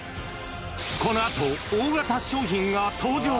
このあと、大型商品が登場。